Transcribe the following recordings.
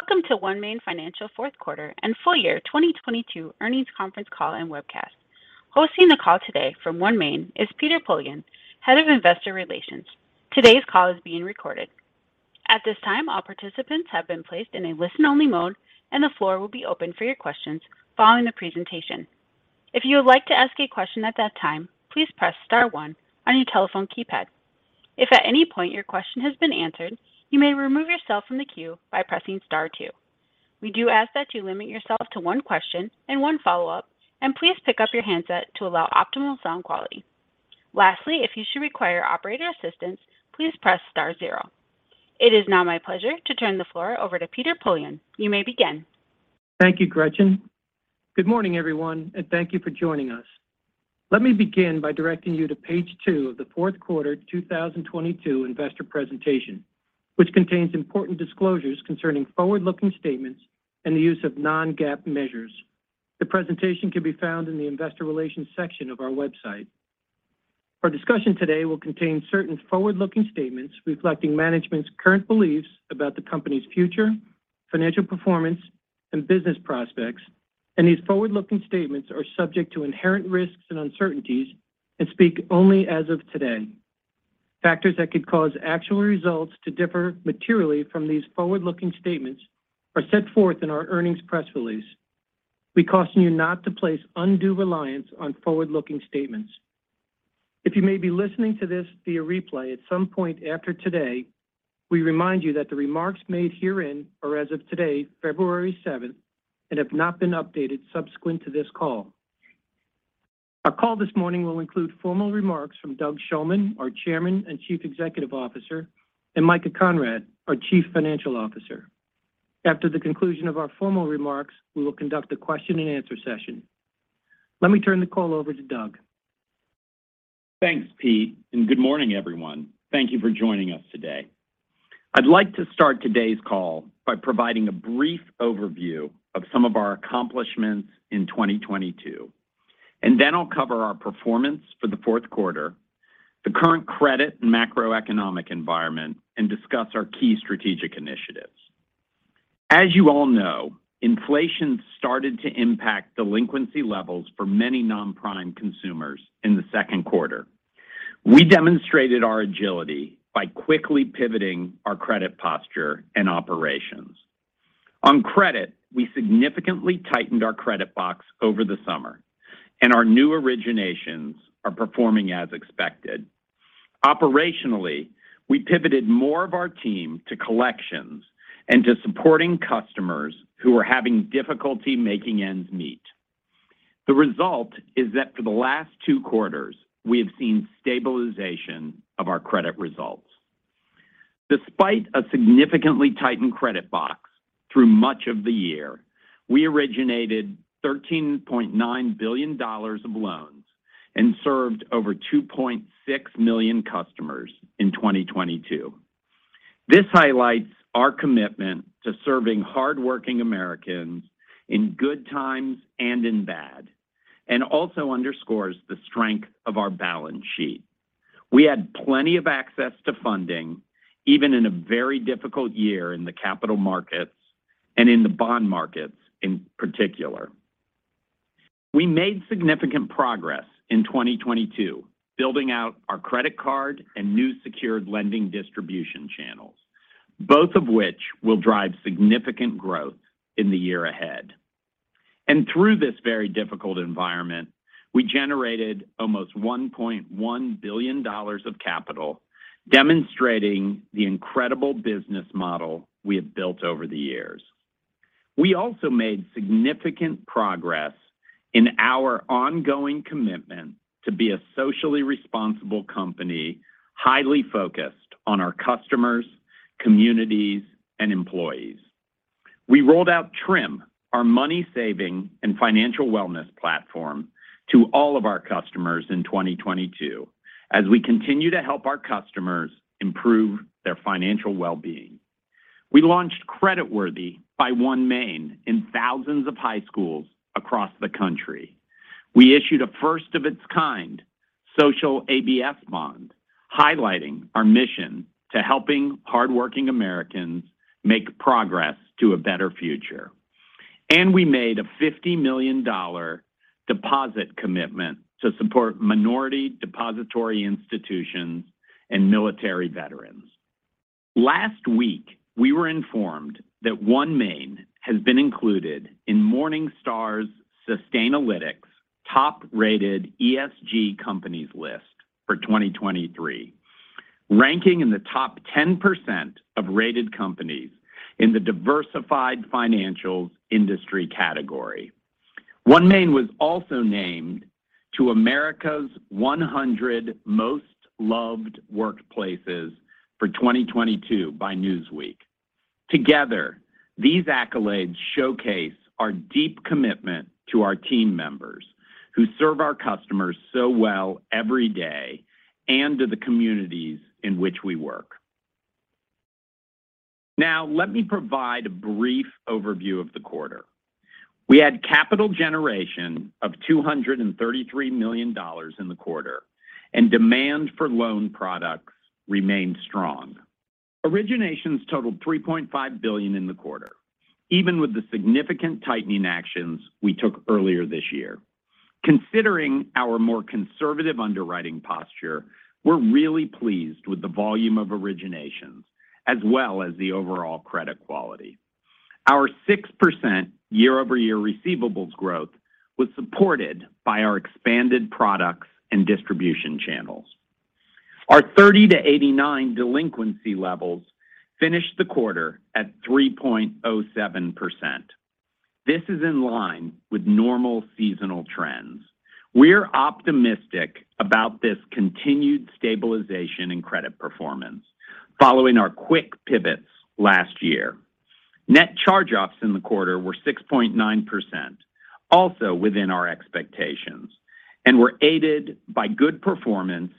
Welcome to OneMain Financial 4th quarter and full year 2022 earnings conference call and webcast. Hosting the call today from OneMain is Peter Poillon, Head of Investor Relations. Today's call is being recorded. At this time, all participants have been placed in a listen-only mode, and the floor will be open for your questions following the presentation. If you would like to ask a question at that time, please press star one on your telephone keypad. If at any point your question has been answered, you may remove yourself from the queue by pressing star two. We do ask that you limit yourself to one question and one follow-up, and please pick up your handset to allow optimal sound quality. Lastly, if you should require operator assistance, please press star zero. It is now my pleasure to turn the floor over to Peter Poillon. You may begin. Thank you, Gretchen. Good morning, everyone, and thank you for joining us. Let me begin by directing you to page two of the 4th quarter 2022 investor presentation, which contains important disclosures concerning forward-looking statements and the use of non-GAAP measures. The presentation can be found in the investor relations section of our website. Our discussion today will contain certain forward-looking statements reflecting management's current beliefs about the company's future, financial performance, and business prospects, and these forward-looking statements are subject to inherent risks and uncertainties and speak only as of today. Factors that could cause actual results to differ materially from these forward-looking statements are set forth in our earnings press release. We caution you not to place undue reliance on forward-looking statements. If you may be listening to this via replay at some point after today, we remind you that the remarks made herein are as of today, February seventh, and have not been updated subsequent to this call. Our call this morning will include formal remarks from Doug Shulman, our Chairman and Chief Executive Officer, and Micah Conrad, our Chief Financial Officer. After the conclusion of our formal remarks, we will conduct a question-and-answer session. Let me turn the call over to Doug. Thanks, Pete. Good morning, everyone. Thank you for joining us today. I'd like to start today's call by providing a brief overview of some of our accomplishments in 2022. Then I'll cover our performance for the fourth quarter, the current credit and macroeconomic environment, and discuss our key strategic initiatives. As you all know, inflation started to impact delinquency levels for many non-prime consumers in the second quarter. We demonstrated our agility by quickly pivoting our credit posture and operations. On credit, we significantly tightened our credit box over the summer, and our new originations are performing as expected. Operationally, we pivoted more of our team to collections and to supporting customers who are having difficulty making ends meet. The result is that for the last two quarters, we have seen stabilization of our credit results. Despite a significantly tightened credit box through much of the year, we originated $13.9 billion of loans and served over 2.6 million customers in 2022. This highlights our commitment to serving hardworking Americans in good times and in bad, and also underscores the strength of our balance sheet. We had plenty of access to funding, even in a very difficult year in the capital markets and in the bond markets in particular. We made significant progress in 2022 building out our credit card and new secured lending distribution channels, both of which will drive significant growth in the year ahead. Through this very difficult environment, we generated almost $1.1 billion of capital, demonstrating the incredible business model we have built over the years. We also made significant progress in our ongoing commitment to be a socially responsible company, highly focused on our customers, communities, and employees. We rolled out Trim, our money-saving and financial wellness platform, to all of our customers in 2022 as we continue to help our customers improve their financial well-being. We launched Credit Worthy by OneMain in thousands of high schools across the country. We issued a first-of-its-kind Social ABS bond, highlighting our mission to helping hardworking Americans make progress to a better future. We made a $50 million deposit commitment to support minority depository institutions and military veterans. Last week, we were informed that OneMain has been included in Morningstar's Sustainalytics top-rated ESG companies list for 2023, ranking in the top 10% of rated companies in the diversified financials industry category. OneMain was also named to America's 100 most loved workplaces for 2022 by Newsweek. These accolades showcase our deep commitment to our team members who serve our customers so well every day and to the communities in which we work. Let me provide a brief overview of the quarter. We had capital generation of $233 million in the quarter and demand for loan products remained strong. Originations totaled $3.5 billion in the quarter, even with the significant tightening actions we took earlier this year. Considering our more conservative underwriting posture, we're really pleased with the volume of originations as well as the overall credit quality. Our 6% year-over-year receivables growth was supported by our expanded products and distribution channels. Our 30-89 delinquency levels finished the quarter at 3.07%. This is in line with normal seasonal trends. We're optimistic about this continued stabilization in credit performance following our quick pivots last year. Net charge-offs in the quarter were 6.9%, also within our expectations, and were aided by good performance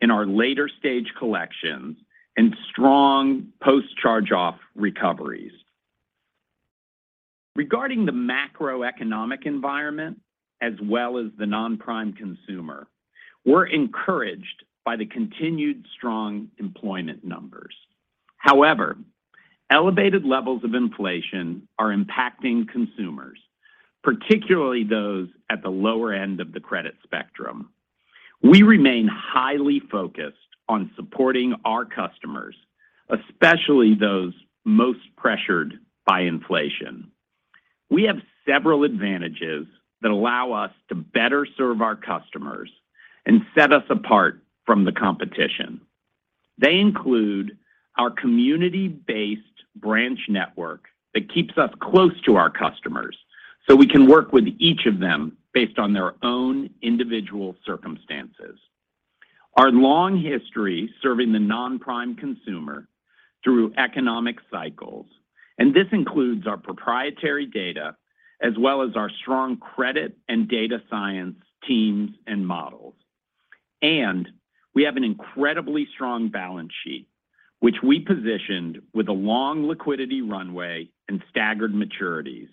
in our later-stage collections and strong post-charge-off recoveries. Regarding the macroeconomic environment as well as the non-prime consumer, we're encouraged by the continued strong employment numbers. Elevated levels of inflation are impacting consumers, particularly those at the lower end of the credit spectrum. We remain highly focused on supporting our customers, especially those most pressured by inflation. We have several advantages that allow us to better serve our customers and set us apart from the competition. They include our community-based branch network that keeps us close to our customers, so we can work with each of them based on their own individual circumstances. Our long history serving the non-prime consumer through economic cycles, and this includes our proprietary data as well as our strong credit and data science teams and models. We have an incredibly strong balance sheet, which we positioned with a long liquidity runway and staggered maturities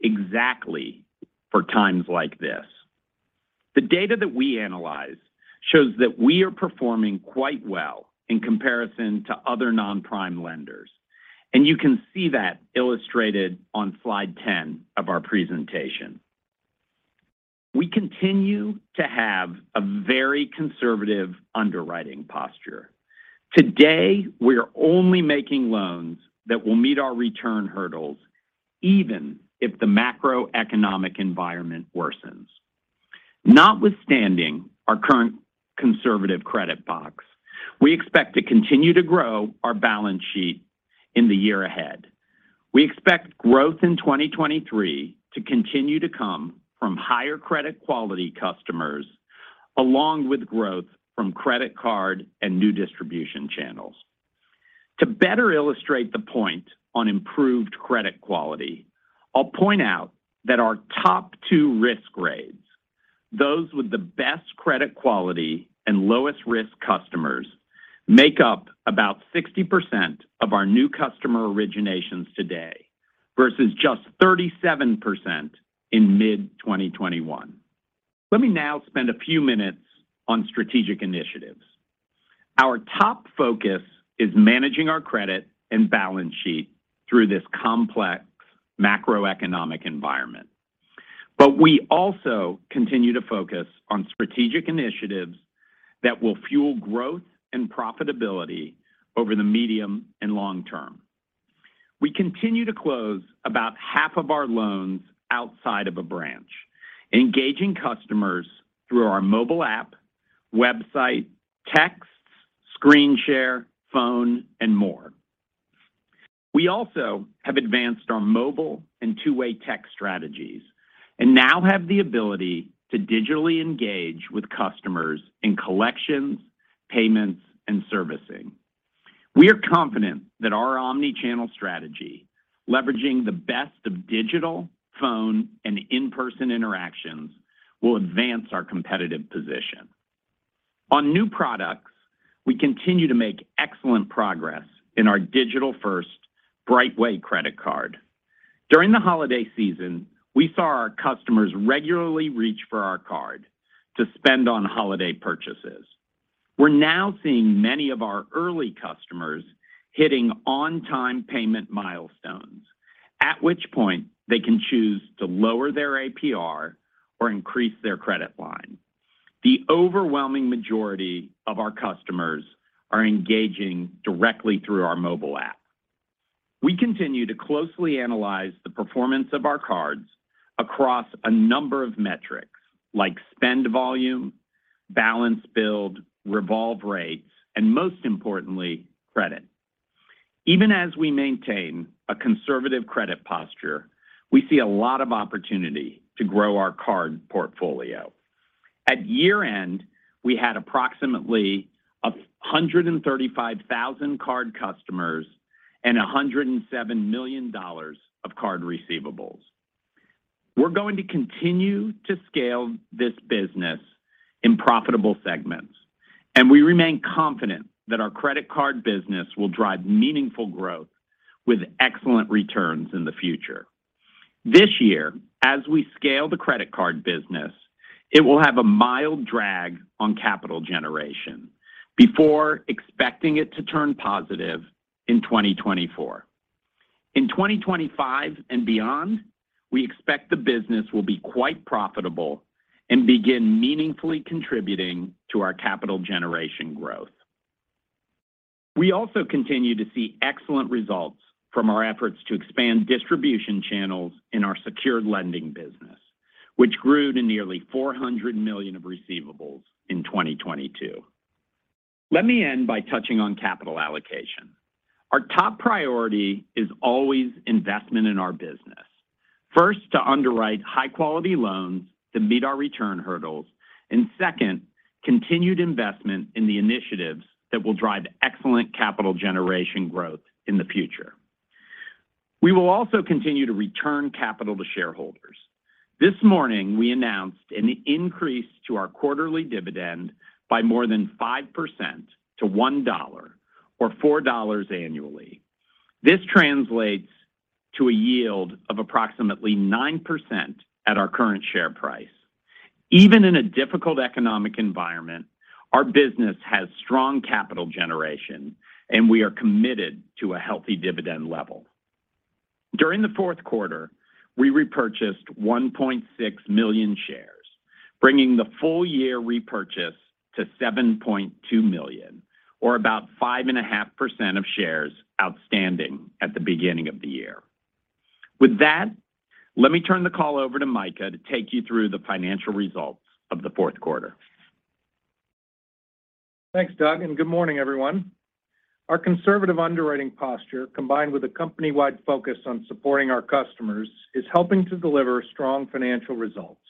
exactly for times like this. The data that we analyze shows that we are performing quite well in comparison to other non-prime lenders, and you can see that illustrated on slide 10 of our presentation. We continue to have a very conservative underwriting posture. Today, we are only making loans that will meet our return hurdles even if the macroeconomic environment worsens. Notwithstanding our current conservative credit box, we expect to continue to grow our balance sheet in the year ahead. We expect growth in 2023 to continue to come from higher credit quality customers along with growth from credit card and new distribution channels. To better illustrate the point on improved credit quality, I'll point out that our top two risk grades, those with the best credit quality and lowest-risk customers, make up about 60% of our new customer originations today, versus just 37% in mid-2021. Let me now spend a few minutes on strategic initiatives. Our top focus is managing our credit and balance sheet through this complex macroeconomic environment. We also continue to focus on strategic initiatives that will fuel growth and profitability over the medium and long term. We continue to close about half of our loans outside of a branch, engaging customers through our mobile app, website, texts, screen share, phone, and more. We also have advanced our mobile and two-way text strategies and now have the ability to digitally engage with customers in collections, payments, and servicing. We are confident that our omni-channel strategy, leveraging the best of digital, phone, and in-person interactions, will advance our competitive position. On new products, we continue to make excellent progress in our digital-first BrightWay credit card. During the holiday season, we saw our customers regularly reach for our card to spend on holiday purchases. We're now seeing many of our early customers hitting on-time payment milestones, at which point they can choose to lower their APR or increase their credit line. The overwhelming majority of our customers are engaging directly through our mobile app. We continue to closely analyze the performance of our cards across a number of metrics like spend volume, balance build, revolve rates, and most importantly, credit. Even as we maintain a conservative credit posture, we see a lot of opportunity to grow our card portfolio. At year-end, we had approximately 135,000 card customers and $107 million of card receivables. We're going to continue to scale this business in profitable segments. We remain confident that our credit card business will drive meaningful growth with excellent returns in the future. This year, as we scale the credit card business, it will have a mild drag on capital generation before expecting it to turn positive in 2024. In 2025 and beyond, we expect the business will be quite profitable and begin meaningfully contributing to our capital generation growth. We also continue to see excellent results from our efforts to expand distribution channels in our secured lending business, which grew to nearly $400 million of receivables in 2022. Let me end by touching on capital allocation. Our top priority is always investment in our business. First, to underwrite high-quality loans that meet our return hurdles. Second, continued investment in the initiatives that will drive excellent capital generation growth in the future. We will also continue to return capital to shareholders. This morning, we announced an increase to our quarterly dividend by more than 5% to $1 or $4 annually. This translates to a yield of approximately 9% at our current share price. Even in a difficult economic environment, our business has strong capital generation. We are committed to a healthy dividend level. During the fourth quarter, we repurchased 1.6 million shares, bringing the full-year repurchase to 7.2 million or about 5.5% of shares outstanding at the beginning of the year. With that, let me turn the call over to Micah to take you through the financial results of the fourth quarter. Thanks, Doug. Good morning, everyone. Our conservative underwriting posture, combined with a company-wide focus on supporting our customers, is helping to deliver strong financial results.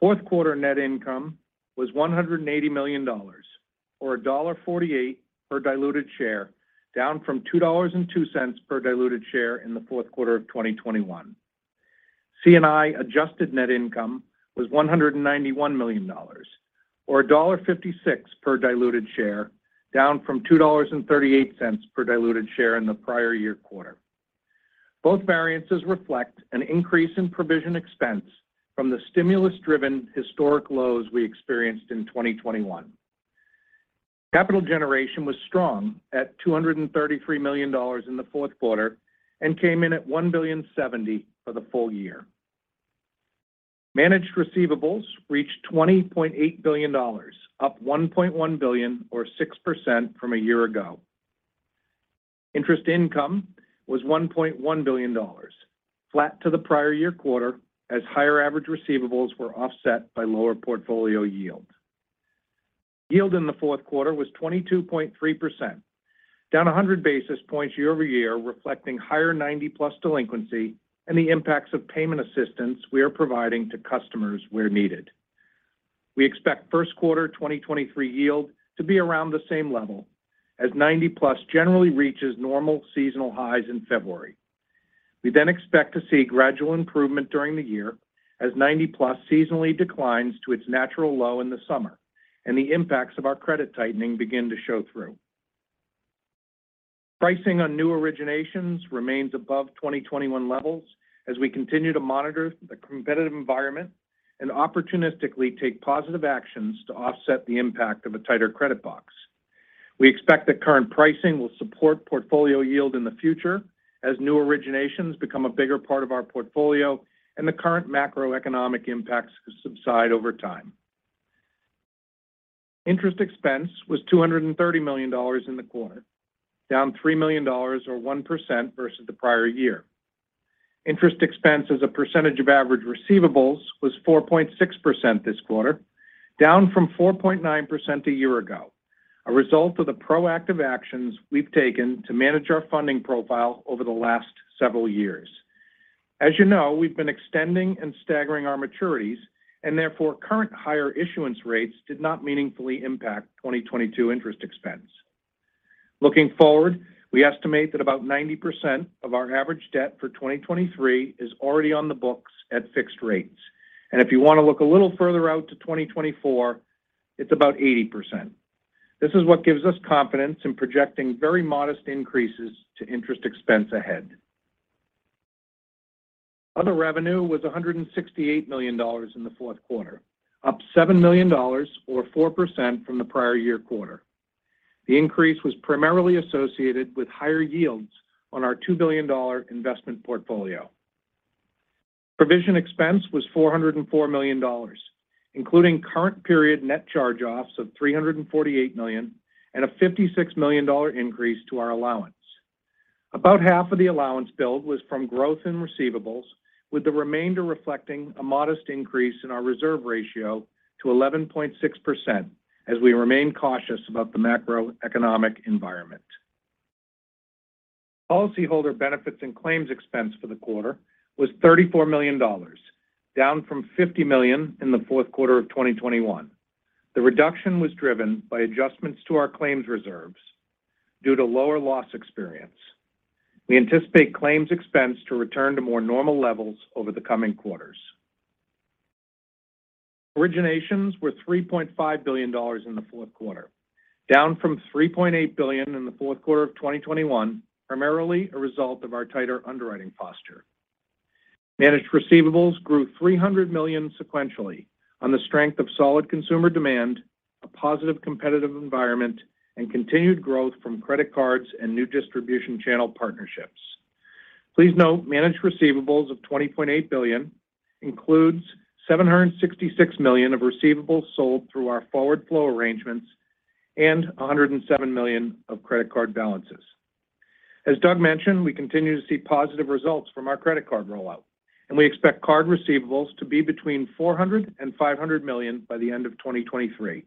Fourth quarter net income was $180 million or $1.48 per diluted share, down from $2.02 per diluted share in the fourth quarter of 2021. C&I adjusted net income was $191 million or $1.56 per diluted share, down from $2.38 per diluted share in the prior year quarter. Both variances reflect an increase in provision expense from the stimulus-driven historic lows we experienced in 2021. Capital generation was strong at $233 million in the fourth quarter and came in at $1,000,000,070 for the full year. Managed receivables reached $20.8 billion, up $1.1 billion or 6% from a year ago. Interest income was $1.1 billion, flat to the prior year quarter as higher average receivables were offset by lower portfolio yield. Yield in the fourth quarter was 22.3%, down 100 basis points year-over-year, reflecting higher 90-plus delinquency and the impacts of payment assistance we are providing to customers where needed. We expect first quarter 2023 yield to be around the same level as 90+ generally reaches normal seasonal highs in February. We expect to see gradual improvement during the year as 90+ seasonally declines to its natural low in the summer and the impacts of our credit tightening begin to show through. Pricing on new originations remains above 2021 levels as we continue to monitor the competitive environment and opportunistically take positive actions to offset the impact of a tighter credit box. We expect that current pricing will support portfolio yield in the future as new originations become a bigger part of our portfolio and the current macroeconomic impacts subside over time. Interest expense was $230 million in the quarter, down $3 million or 1% versus the prior year. Interest expense as a percentage of average receivables was 4.6% this quarter, down from 4.9% a year ago. A result of the proactive actions we've taken to manage our funding profile over the last several years. As you know, we've been extending and staggering our maturities, and therefore, current higher issuance rates did not meaningfully impact 2022 interest expense. Looking forward, we estimate that about 90% of our average debt for 2023 is already on the books at fixed rates. If you want to look a little further out to 2024, it's about 80%. This is what gives us confidence in projecting very modest increases to interest expense ahead. Other revenue was $168 million in the fourth quarter, up $7 million or 4% from the prior year quarter. The increase was primarily associated with higher yields on our $2 billion investment portfolio. Provision expense was $404 million, including current period net charge-offs of $348 million and a $56 million increase to our allowance. About half of the allowance build was from growth in receivables, with the remainder reflecting a modest increase in our reserve ratio to 11.6% as we remain cautious about the macroeconomic environment. Policyholder benefits and claims expense for the quarter was $34 million, down from $50 million in the fourth quarter of 2021. The reduction was driven by adjustments to our claims reserves due to lower loss experience. We anticipate claims expense to return to more normal levels over the coming quarters. Originations were $3.5 billion in the fourth quarter, down from $3.8 billion in the fourth quarter of 2021, primarily a result of our tighter underwriting posture. Managed receivables grew $300 million sequentially on the strength of solid consumer demand, a positive competitive environment, and continued growth from credit cards and new distribution channel partnerships. Please note managed receivables of $20.8 billion includes $766 million of receivables sold through our forward flow arrangements and $107 million of credit card balances. As Doug mentioned, we continue to see positive results from our credit card rollout, we expect card receivables to be between $400 million-$500 million by the end of 2023.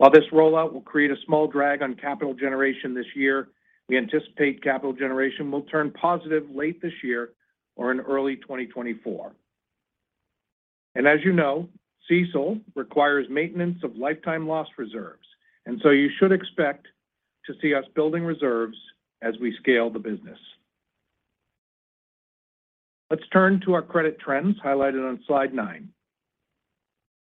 While this rollout will create a small drag on capital generation this year, we anticipate capital generation will turn positive late this year or in early 2024. As you know, CECL requires maintenance of lifetime loss reserves, you should expect to see us building reserves as we scale the business. Let's turn to our credit trends highlighted on slide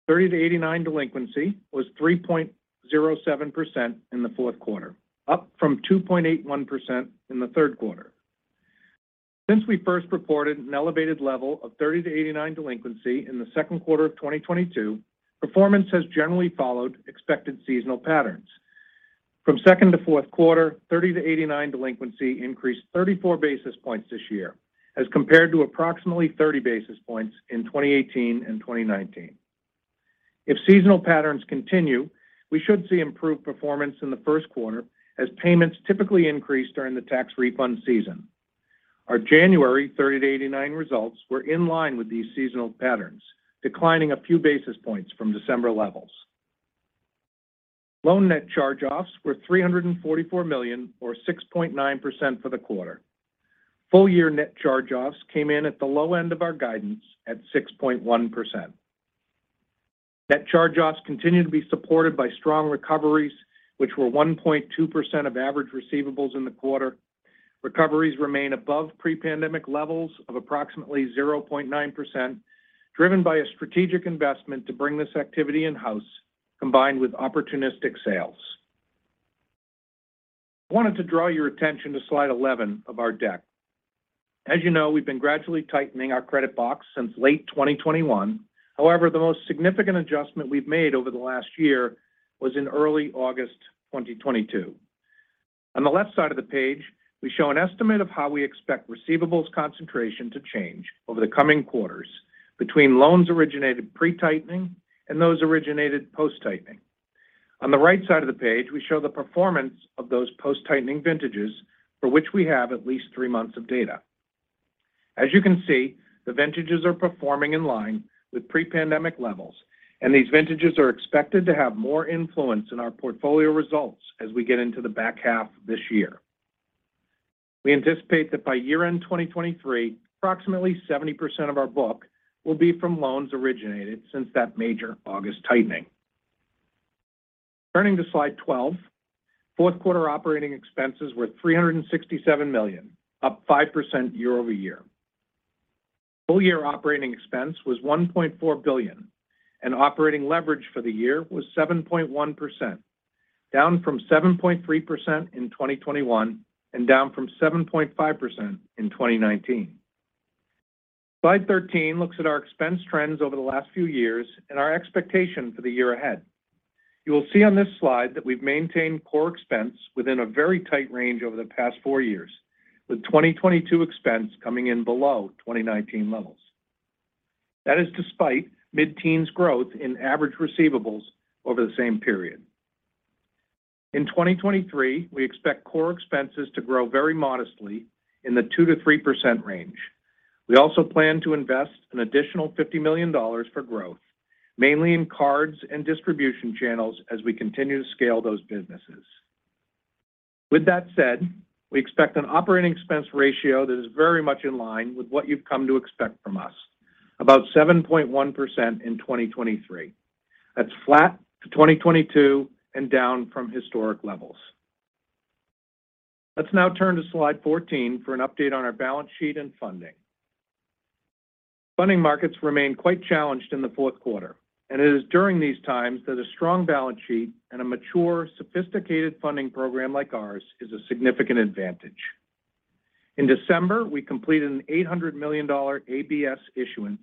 nine. 30-89 delinquency was 3.07% in the fourth quarter, up from 2.81% in the third quarter. Since we first reported an elevated level of 30-89 delinquency in the second quarter of 2022, performance has generally followed expected seasonal patterns. From second to fourth quarter, 30-89 delinquency increased 34 basis points this year as compared to approximately 30 basis points in 2018 and 2019. If seasonal patterns continue, we should see improved performance in the first quarter as payments typically increase during the tax refund season. Our January 30-89 results were in line with these seasonal patterns, declining a few basis points from December levels. Loan net charge-offs were $344 million or 6.9% for the quarter. Full-year net charge-offs came in at the low end of our guidance at 6.1%. Net charge-offs continue to be supported by strong recoveries, which were 1.2% of average receivables in the quarter. Recoveries remain above pre-pandemic levels of approximately 0.9%, driven by a strategic investment to bring this activity in-house combined with opportunistic sales. I wanted to draw your attention to slide 11 of our deck. As you know, we've been gradually tightening our credit box since late 2021. However, the most significant adjustment we've made over the last year was in early August 2022. On the left side of the page, we show an estimate of how we expect receivables concentration to change over the coming quarters between loans originated pre-tightening and those originated post-tightening. On the right side of the page, we show the performance of those post-tightening vintages for which we have at least three months of data. As you can see, the vintages are performing in line with pre-pandemic levels, and these vintages are expected to have more influence in our portfolio results as we get into the back half of this year. We anticipate that by year-end 2023, approximately 70% of our book will be from loans originated since that major August tightening. Turning to slide 12, fourth quarter operating expenses were $367 million, up 5% year-over-year. Full-year operating expense was $1.4 billion, and operating leverage for the year was 7.1%, down from 7.3% in 2021 and down from 7.5% in 2019. Slide 13 looks at our expense trends over the last few years and our expectation for the year ahead. You will see on this slide that we've maintained core expense within a very tight range over the past four years, with 2022 expense coming in below 2019 levels. That is despite mid-teens growth in average receivables over the same period. In 2023, we expect core expenses to grow very modestly in the 2%-3% range. We also plan to invest an additional $50 million for growth, mainly in cards and distribution channels as we continue to scale those businesses. With that said, we expect an operating expense ratio that is very much in line with what you've come to expect from us, about 7.1% in 2023. That's flat to 2022 and down from historic levels. Let's now turn to slide 14 for an update on our balance sheet and funding. Funding markets remained quite challenged in the fourth quarter. It is during these times that a strong balance sheet and a mature, sophisticated funding program like ours is a significant advantage. In December, we completed an $800 million ABS issuance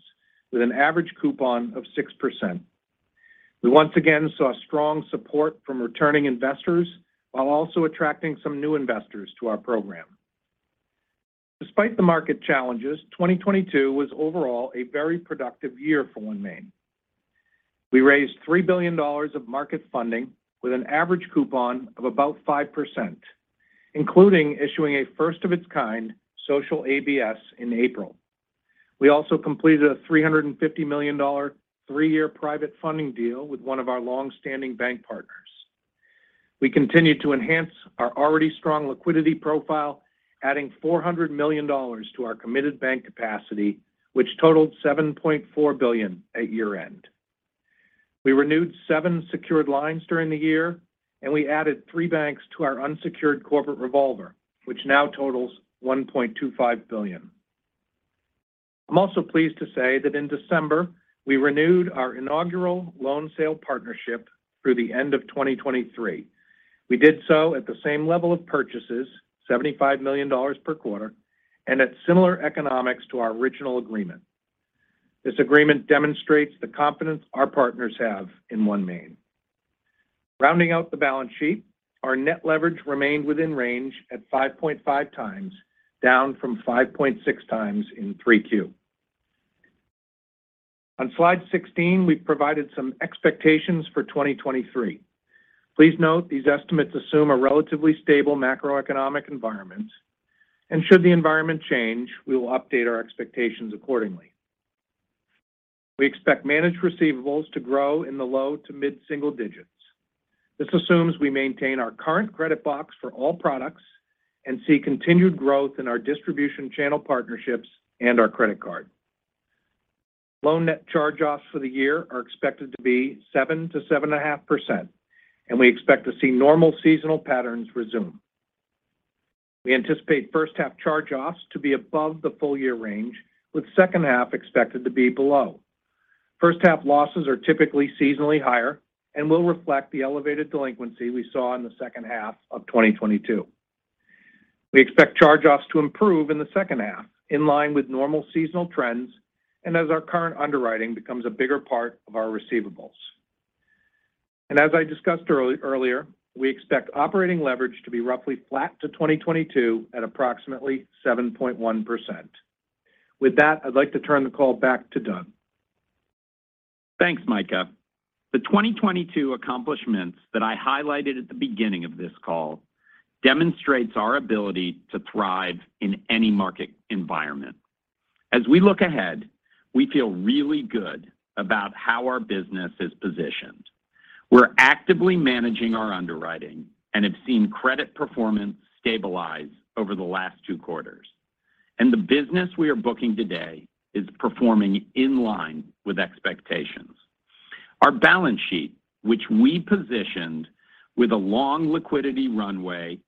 with an average coupon of 6%. We once again saw strong support from returning investors while also attracting some new investors to our program. Despite the market challenges, 2022 was overall a very productive year for OneMain. We raised $3 billion of market funding with an average coupon of about 5%, including issuing a first-of-its-kind social ABS in April. We also completed a $350 million three year private funding deal with one of our long-standing bank partners. We continued to enhance our already strong liquidity profile, adding $400 million to our committed bank capacity, which totaled $7.4 billion at year-end. We renewed seven secured lines during the year. We added three banks to our unsecured corporate revolver, which now totals $1.25 billion. I'm also pleased to say that in December, we renewed our inaugural loan sale partnership through the end of 2023. We did so at the same level of purchases, $75 million per quarter. At similar economics to our original agreement, this agreement demonstrates the confidence our partners have in OneMain. Rounding out the balance sheet, our net leverage remained within range at 5.5x, down from 5.6x in 3Q. On slide 16, we've provided some expectations for 2023. Please note these estimates assume a relatively stable macroeconomic environment. Should the environment change, we will update our expectations accordingly. We expect managed receivables to grow in the low to mid-single digits. This assumes we maintain our current credit box for all products and see continued growth in our distribution channel partnerships and our credit card. Loan net charge-offs for the year are expected to be 7%-7.5%. We expect to see normal seasonal patterns resume. We anticipate first half charge-offs to be above the full year range, with second half expected to be below. First half losses are typically seasonally higher and will reflect the elevated delinquency we saw in the second half of 2022. We expect charge-offs to improve in the second half, in line with normal seasonal trends and as our current underwriting becomes a bigger part of our receivables. As I discussed earlier, we expect operating leverage to be roughly flat to 2022 at approximately 7.1%. With that, I'd like to turn the call back to Doug. Thanks, Micah. The 2022 accomplishments that I highlighted at the beginning of this call demonstrates our ability to thrive in any market environment. As we look ahead, we feel really good about how our business is positioned. We're actively managing our underwriting and have seen credit performance stabilize over the last two quarters. The business we are booking today is performing in line with expectations. Our balance sheet, which we positioned with a long liquidity runway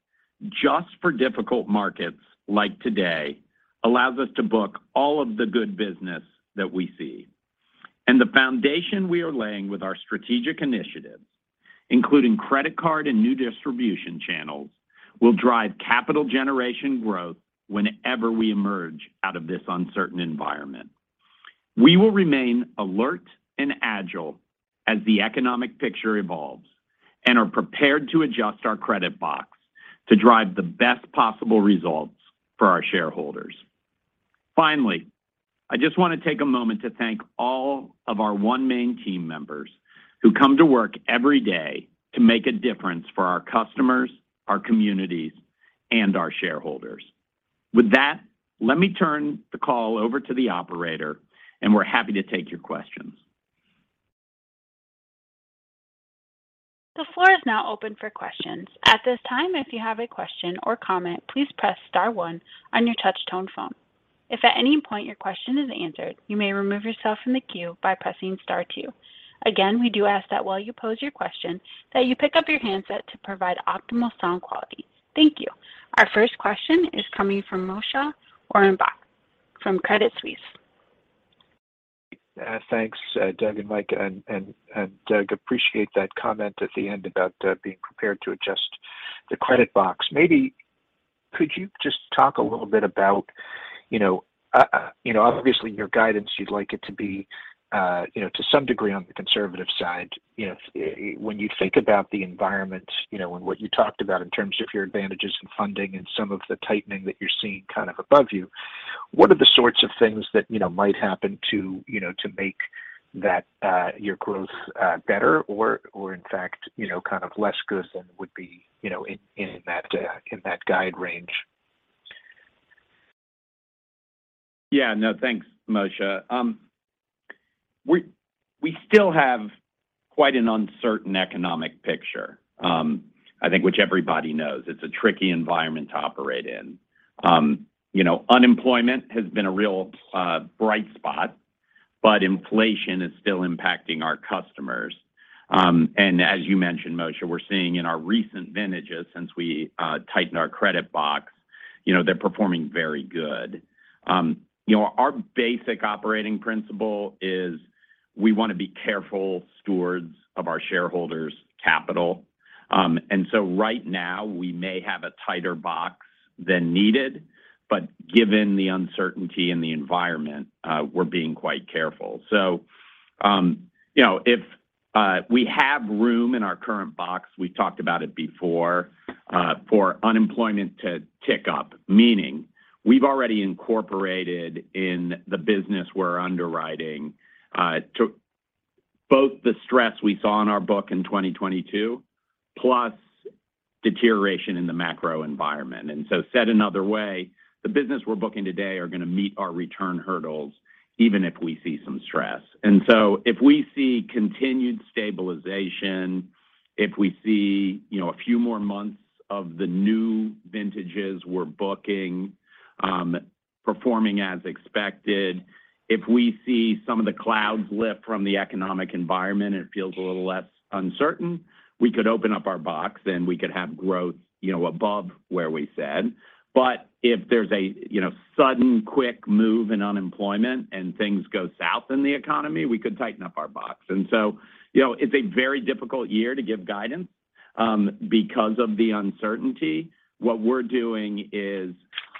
just for difficult markets like today, allows us to book all of the good business that we see. The foundation we are laying with our strategic initiatives, including credit card and new distribution channels, will drive capital generation growth whenever we emerge out of this uncertain environment. We will remain alert and agile as the economic picture evolves and are prepared to adjust our credit box to drive the best possible results for our shareholders. Finally, I just want to take a moment to thank all of our OneMain team members who come to work every day to make a difference for our customers, our communities, and our shareholders. With that, let me turn the call over to the operator, and we're happy to take your questions. The floor is now open for questions. At this time, if you have a question or comment, please press star one on your touch tone phone. If at any point your question is answered, you may remove yourself from the queue by pressing star two. Again, we do ask that while you pose your question, that you pick up your handset to provide optimal sound quality. Thank you. Our first question is coming from Moshe Orenbuch from Credit Suisse. Thanks, Doug and Mike. Doug, appreciate that comment at the end about being prepared to adjust the credit box. Maybe could you just talk a little bit about, you know, obviously, your guidance, you'd like it to be, you know, to some degree on the conservative side. You know, when you think about the environment, you know, and what you talked about in terms of your advantages in funding and some of the tightening that you're seeing kind of above you, what are the sorts of things that, you know, might happen to, you know, to make that your growth better or in fact, you know, kind of less good than would be, you know, in that guide range? No, thanks, Moshe. We still have quite an uncertain economic picture, I think which everybody knows. It's a tricky environment to operate in. You know, unemployment has been a real bright spot, but inflation is still impacting our customers. As you mentioned, Moshe, we're seeing in our recent vintages since we tightened our credit box, you know, they're performing very good. You know, our basic operating principle is we want to be careful stewards of our shareholders' capital. Right now we may have a tighter box than needed, but given the uncertainty in the environment, we're being quite careful. you know, if we have room in our current box, we've talked about it before, for unemployment to tick up, meaning we've already incorporated in the business we're underwriting, to both the stress we saw in our book in 2022 plus deterioration in the macro environment. Said another way, the business we're booking today are going to meet our return hurdles even if we see some stress. If we see continued stabilization. If we see, you know, a few more months of the new vintages we're booking, performing as expected if we see some of the clouds lift from the economic environment and it feels a little less uncertain, we could open up our box and we could have growth, you know, above where we said. If there's a, you know, sudden quick move in unemployment and things go south in the economy, we could tighten up our box. You know, it's a very difficult year to give guidance, because of the uncertainty. What we're doing is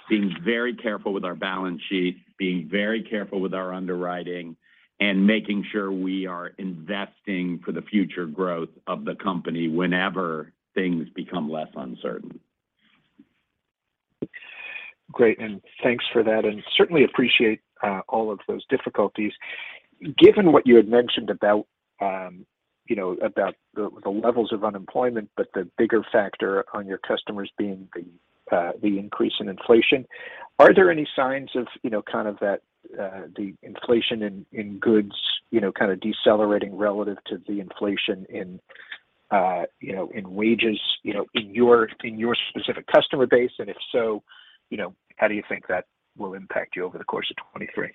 being very careful with our balance sheet, being very careful with our underwriting and making sure we are investing for the future growth of the company whenever things become less uncertain. Great, thanks for that, and certainly appreciate, all of those difficulties. Given what you had mentioned about, you know, about the levels of unemployment, but the bigger factor on your customers being the increase in inflation. Are there any signs of, you know, kind of that, the inflation in goods, you know, kind of decelerating relative to the inflation in, you know, in wages, you know, in your, in your specific customer base? If so, you know, how do you think that will impact you over the course of 2023?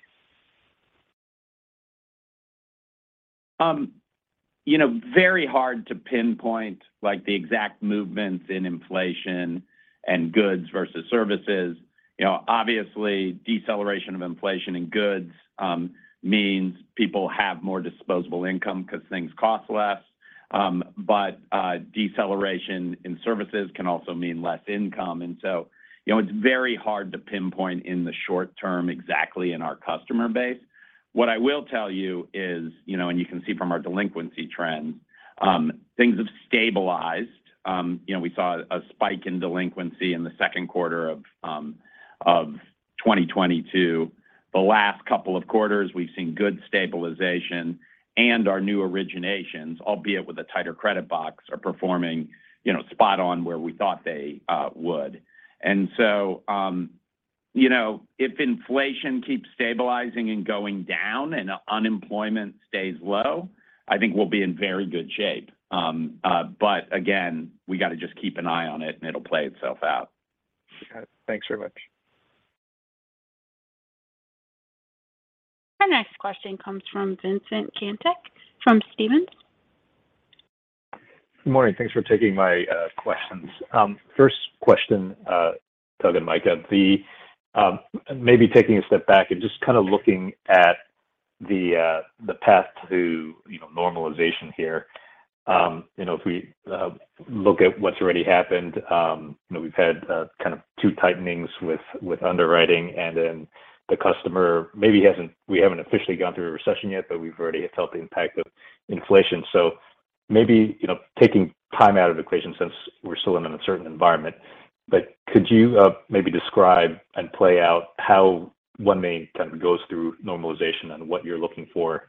You know, very hard to pinpoint like the exact movements in inflation and goods versus services. You know, obviously, deceleration of inflation in goods means people have more disposable income 'cause things cost less. Deceleration in services can also mean less income. You know, it's very hard to pinpoint in the short term exactly in our customer base. What I will tell you is, you know, you can see from our delinquency trends, things have stabilized. You know, we saw a spike in delinquency in the second quarter of 2022. The last couple of quarters we've seen good stabilization and our new originations, albeit with a tighter credit box, are performing, you know, spot on where we thought they would. You know, if inflation keeps stabilizing and going down and unemployment stays low, I think we'll be in very good shape. We got to just keep an eye on it, and it'll play itself out. Got it. Thanks very much. Our next question comes from Vincent Caintic from Stephens. Good morning. Thanks for taking my questions. First question, Doug and Mike, maybe taking a step back and just kind of looking at the path to, you know, normalization here. You know, if we look at what's already happened, you know, we've had kind of two tightenings with underwriting and then the customer maybe we haven't officially gone through a recession yet, but we've already felt the impact of inflation. Maybe, you know, taking time out of the equation since we're still in an uncertain environment, but could you maybe describe and play out how OneMain kind of go through normalization and what you're looking for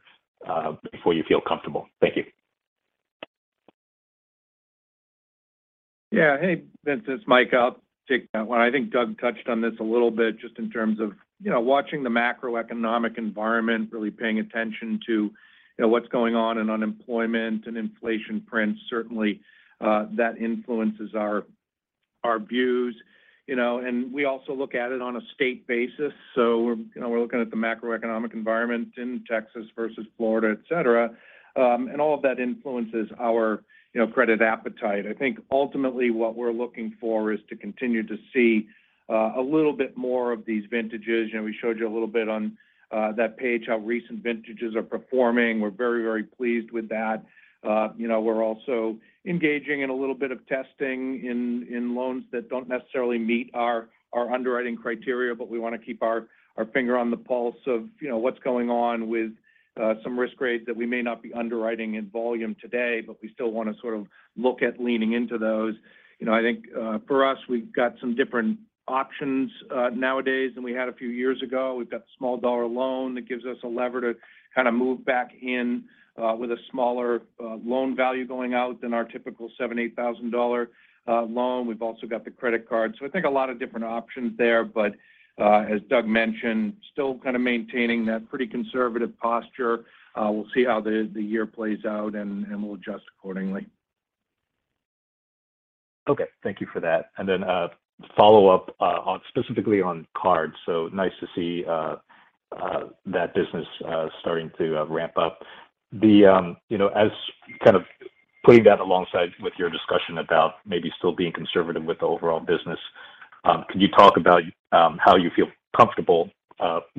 before you feel comfortable? Thank you. Yeah. Hey, Vincent. Micah, I'll take that one. I think Doug touched on this a little bit just in terms of, you know, watching the macroeconomic environment, really paying attention to, you know, what's going on in unemployment and inflation prints. Certainly, that influences our views, you know, and we also look at it on a state basis. We're looking at the macroeconomic environment in Texas versus Florida, et cetera. All of that influences our, you know, credit appetite. I think ultimately what we're looking for is to continue to see a little bit more of these vintages. You know, we showed you a little bit on that page how recent vintages are performing. We're very, very pleased with that. You know, we're also engaging in a little bit of testing in loans that don't necessarily meet our underwriting criteria, but we want to keep our finger on the pulse of, you know, what's going on with some risk grades that we may not be underwriting in volume today, but we still want to sort of look at leaning into those. You know, I think for us, we've got some different options nowadays than we had a few years ago. We've got the small dollar loan that gives us a lever to kind of move back in with a smaller loan value going out than our typical $70,000 loan. We've also got the credit card. I think a lot of different options there. As Doug mentioned, still kind of maintaining that pretty conservative posture. We'll see how the year plays out and we'll adjust accordingly. Okay. Thank you for that. Follow-up on specifically on cards. Nice to see that business starting to ramp up. The, you know, as kind of putting that alongside with your discussion about maybe still being conservative with the overall business, can you talk about how you feel comfortable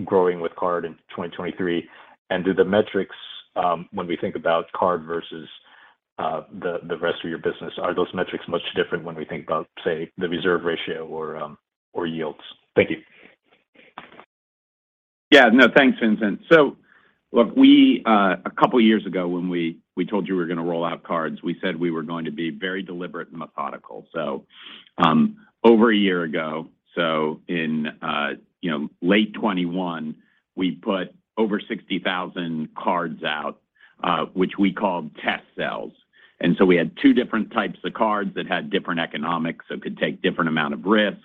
growing with card in 2023? Do the metrics, when we think about card versus the rest of your business, are those metrics much different when we think about, say, the reserve ratio or yields? Thank you. Yeah. No, thanks, Vincent. Look, a couple years ago when we told you we're going to roll out cards, we said we were going to be very deliberate and methodical. Over a year ago, so in, you know, late 2021, we put over 60,000 cards out, which we called test cells. We had two different types of cards that had different economics, so could take different amount of risk.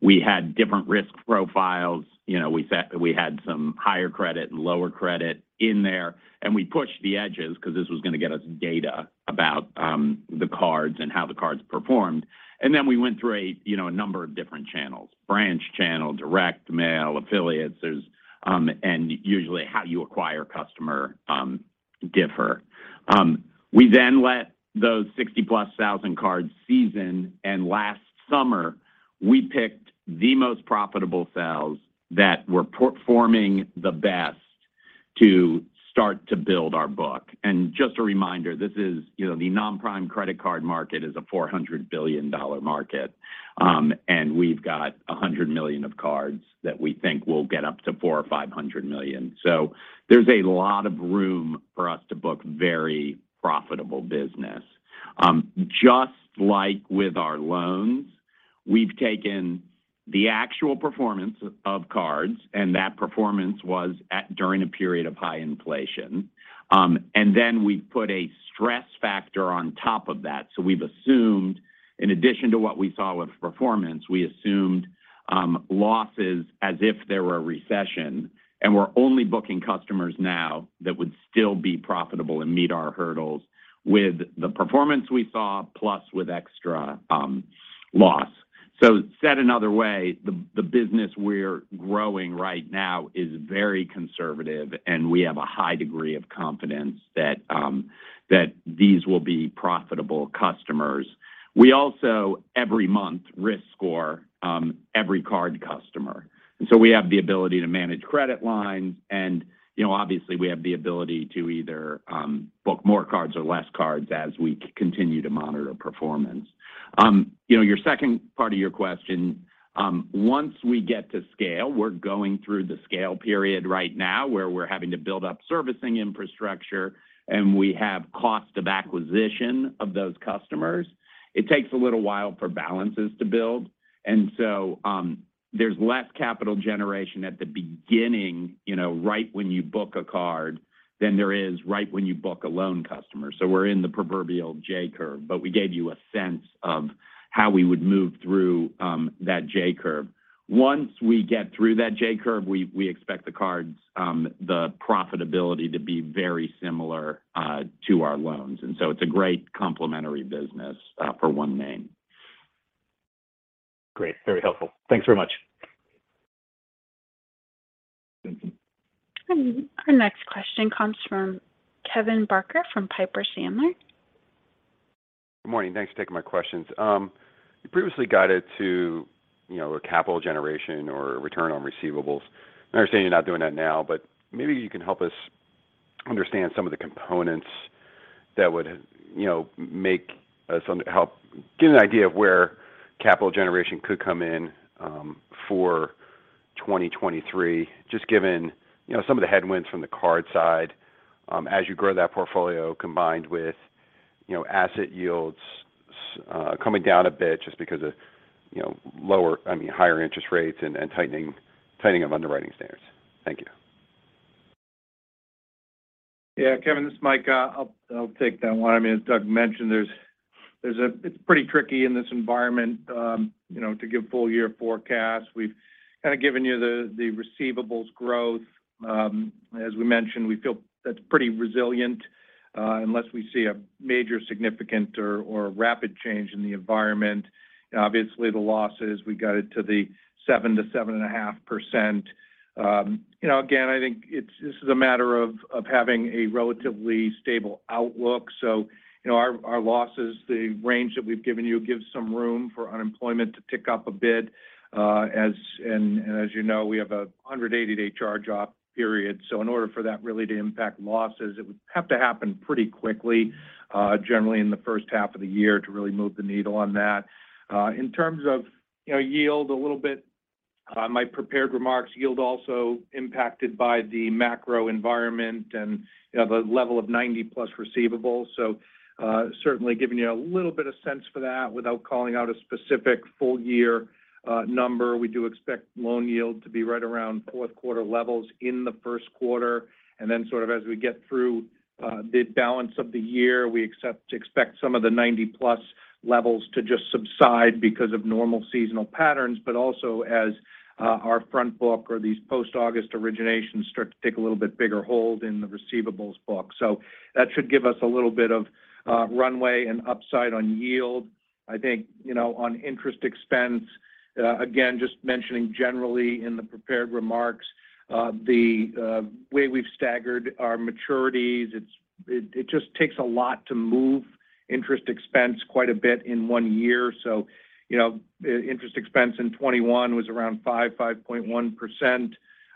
We had different risk profiles. You know, we had some higher credit and lower credit in there, and we pushed the edges because this was going to get us data about the cards and how the cards performed. We went through a, you know, a number of different channels. Branch channel, direct mail, affiliates. There's usually how you acquire customer differ. We then let those 60,000+ cards season. Last summer we picked the most profitable sales that were performing the best to start to build our book. Just a reminder, you know, the non-prime credit card market is a $400 billion market. We've got $100 million of cards that we think will get up to $400 million or $500 million. There's a lot of room for us to book very profitable business. Just like with our loans, we've taken the actual performance of cards, and that performance was during a period of high inflation. We put a stress factor on top of that. We've assumed in addition to what we saw with performance, we assumed losses as if there were a recession, and we're only booking customers now that would still be profitable and meet our hurdles with the performance we saw plus with extra loss. Said another way, the business we're growing right now is very conservative, and we have a high degree of confidence that these will be profitable customers. We also every month risk score every card customer, and so we have the ability to manage credit lines and, you know, obviously, we have the ability to either book more cards or less cards as we continue to monitor performance. You know, your second part of your question, once we get to scale, we're going through the scale period right now where we're having to build up servicing infrastructure, and we have cost of acquisition of those customers. It takes a little while for balances to build, and so, there's less capital generation at the beginning, you know, right when you book a card than there is right when you book a loan customer. We're in the proverbial J curve, but we gave you a sense of how we would move through that J curve. Once we get through that J curve, we expect the cards, the profitability to be very similar to our loans, and so it's a great complementary business for OneMain. Great. Very helpful. Thanks very much. Our next question comes from Kevin Barker from Piper Sandler. Good morning. Thanks for taking my questions. You previously guided to, you know, a capital generation or return on receivables. I understand you're not doing that now, but maybe you can help us understand some of the components that would, you know, help get an idea of where capital generation could come in for 2023. Just given, you know, some of the headwinds from the card side as you grow that portfolio combined with, you know, asset yields coming down a bit just because of, you know, I mean, higher interest rates and tightening of underwriting standards. Thank you. Yeah. Kevin Barker, this is Micah. I'll take that one. I mean, as Doug Shulman mentioned, there's it's pretty tricky in this environment, you know, to give full year forecasts. We've kind of given you the receivables growth. As we mentioned, we feel that's pretty resilient, unless we see a major significant or rapid change in the environment. Obviously, the losses, we got it to the 7%-7.5%. You know, again, I think this is a matter of having a relatively stable outlook. You know, our losses, the range that we've given you gives some room for unemployment to tick up a bit. And as you know, we have a 180-day charge-off period, so in order for that really to impact losses, it would have to happen pretty quickly, generally in the first half of the year to really move the needle on that. In terms of, you know, yield a little bit, my prepared remarks yield also impacted by the macro environment and, you know, the level of 90+ receivables. Certainly giving you a little bit of sense for that without calling out a specific full year number. We do expect loan yield to be right around fourth quarter levels in the first quarter. Sort of as we get through the balance of the year, we expect some of the 90+ levels to just subside because of normal seasonal patterns, but also as our front book or these post-August originations start to take a little bit bigger hold in the receivables book. That should give us a little bit of runway and upside on yield. I think, you know, on interest expense, again, just mentioning generally in the prepared remarks, the way we've staggered our maturities, it just takes a lot to move interest expense quite a bit in one year. You know, interest expense in 2021 was around 5.1%. You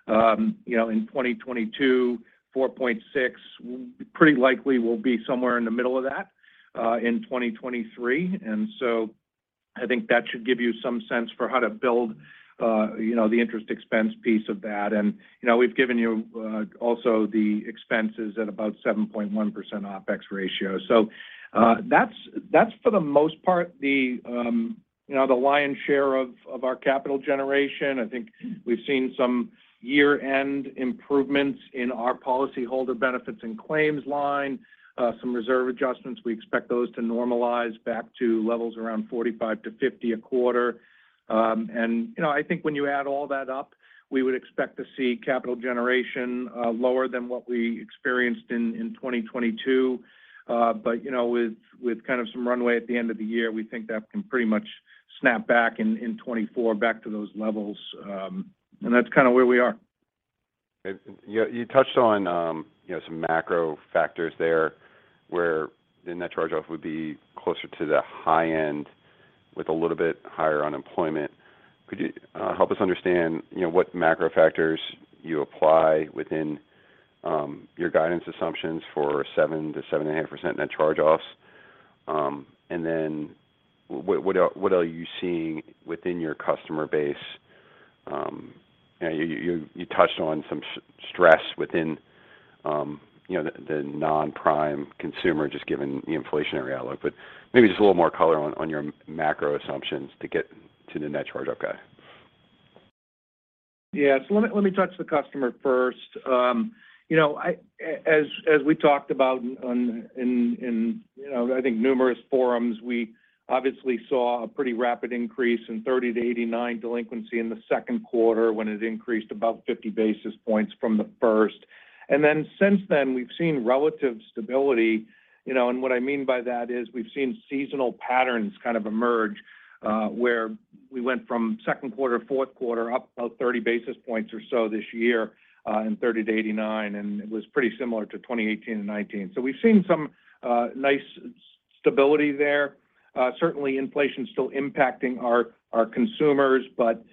know, in 2022, 4.6%. Pretty likely we'll be somewhere in the middle of that in 2023. I think that should give you some sense for how to build, you know, the interest expense piece of that. You know, we've given you also the expenses at about 7.1% OPEX ratio. That's for the most part the, you know, the lion's share of our capital generation. I think we've seen some year-end improvements in our policyholder benefits and claims line, some reserve adjustments. We expect those to normalize back to levels around $45-$50 a quarter. You know, I think when you add all that up, we would expect to see capital generation lower than what we experienced in 2022. You know, with kind of some runway at the end of the year, we think that can pretty much Snap back in 2024 back to those levels. That's kind of where we are. Okay. Yeah, you touched on, you know, some macro factors there where the net charge-off would be closer to the high end with a little bit higher unemployment. Could you help us understand, you know, what macro factors you apply within your guidance assumptions for 7%-7.5% net charge-offs? What are you seeing within your customer base? You know, you touched on some stress within, you know, the non-prime consumer just given the inflationary outlook. Maybe just a little more color on your macro assumptions to get to the net charge-off guide. Yeah. Let me, let me touch the customer first. You know, as we talked about on, in, you know, I think numerous forums, we obviously saw a pretty rapid increase in 30-89 delinquency in the second quarter when it increased about 50 basis points from the first. Since then, we've seen relative stability. You know, and what I mean by that is we've seen seasonal patterns kind of emerge, where we went from second quarter, fourth quarter up about 30 basis points or so this year, in 30-89, and it was pretty similar to 2018 and 2019. We've seen some nice stability there. Certainly inflation is still impacting our consumers, but,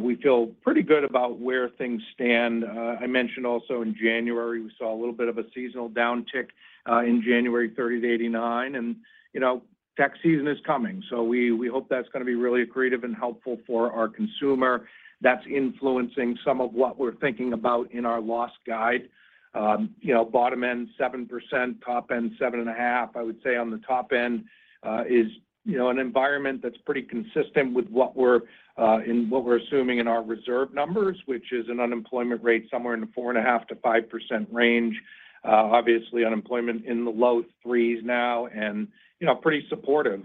we feel pretty good about where things stand. I mentioned also in January we saw a little bit of a seasonal downtick, in January 30-89. You know, tax season is coming, so we hope that's going to be really accretive and helpful for our consumer. That's influencing some of what we're thinking about in our loss guide. You know, bottom end 7%, top end 7.5%. I would say on the top end, is, you know, an environment that's pretty consistent with what we're and what we're assuming in our reserve numbers, which is an unemployment rate somewhere in the 4.5%-5% range. Obviously unemployment in the low 3s now and, you know, pretty supportive,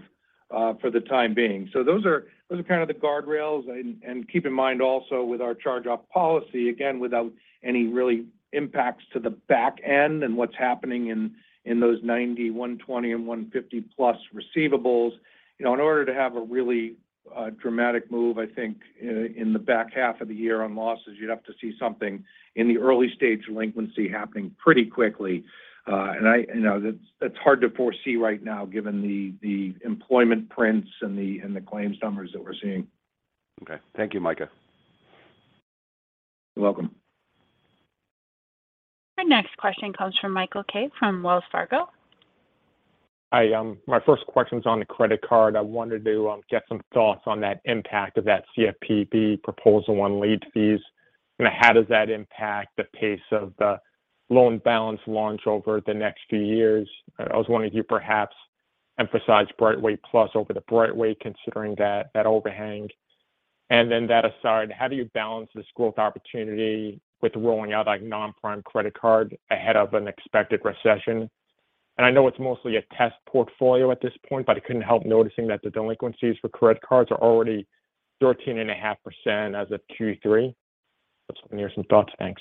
for the time being. Those are kind of the guardrails. Keep in mind also with our charge-off policy, again, without any really impacts to the back end and what's happening in those 90, 120 and 150+ receivables. You know, in order to have a really dramatic move, I think in the back half of the year on losses, you'd have to see something in the early stage delinquency happening pretty quickly. I, you know, that's hard to foresee right now given the employment prints and the, and the claims numbers that we're seeing. Okay. Thank you, Micah. You're welcome. Our next question comes from Michael Kaye from Wells Fargo. Hi. My first question is on the credit card. I wanted to get some thoughts on that impact of that CFPB proposal on late fees. How does that impact the pace of the loan balance launch over the next few years? I also wonder if you perhaps emphasize BrightWay+ over the BrightWay, considering that overhang. Then that aside, how do you balance this growth opportunity with rolling out a non-prime credit card ahead of an expected recession? I know it's mostly a test portfolio at this point, but I couldn't help noticing that the delinquencies for credit cards are already 13.5% as of Q3. Just want to hear some thoughts. Thanks.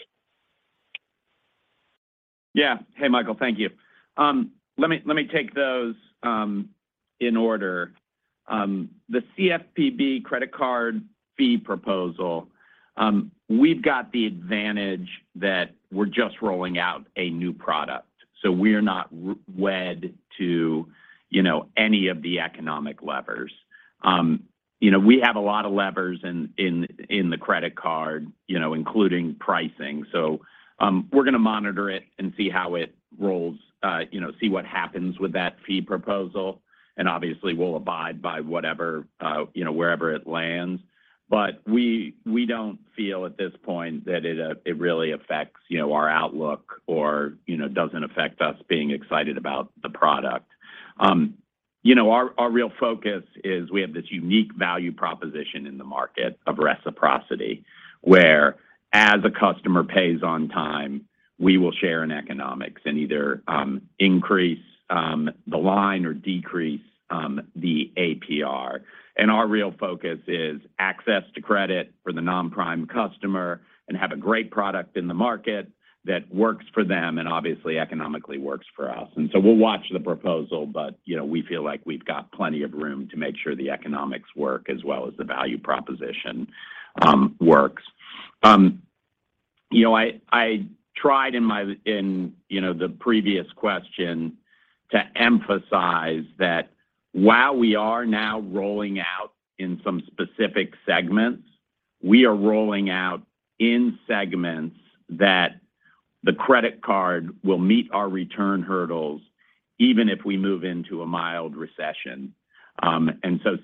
Yeah. Hey, Michael. Thank you. Let me take those in order. The CFPB credit card fee proposal, we've got the advantage that we're just rolling out a new product. We're not wed to, you know, any of the economic levers. You know, we have a lot of levers in the credit card, you know, including pricing. We're going to monitor it and see how it rolls, you know, see what happens with that fee proposal. Obviously, we'll abide by whatever, you know, wherever it lands. We don't feel at this point that it really affects, you know, our outlook or, you know, doesn't affect us being excited about the product. You know, our real focus is we have this unique value proposition in the market of reciprocity, where as a customer pays on time, we will share in economics and either increase the line or decrease the APR. Our real focus is access to credit for the non-prime customer and have a great product in the market that works for them and obviously economically works for us. We'll watch the proposal. you know, we feel like we've got plenty of room to make sure the economics work as well as the value proposition works. You know, I tried in, you know, the previous question to emphasize that while we are now rolling out in some specific segments, we are rolling out in segments that the credit card will meet our return hurdles even if we move into a mild recession.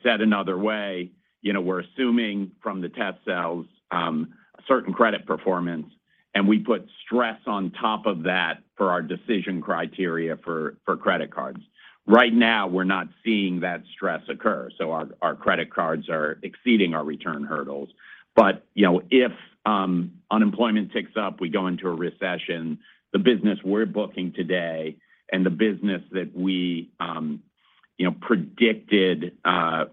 Said another way, you know, we're assuming from the test cells, a certain credit performance, and we put stress on top of that for our decision criteria for credit cards. Right now, we're not seeing that stress occur, so our credit cards are exceeding our return hurdles. You know, if unemployment ticks up, we go into a recession, the business we're booking today and the business that we, you know, predicted